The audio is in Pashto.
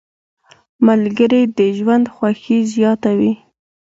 ملګري د ژوند خوښي زیاته وي.